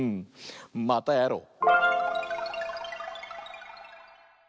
またやろう！